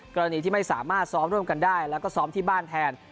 กรณีที่ไม่สามารถซ้อมร่วมกันได้แล้วก็ซ้อมที่บ้านแทน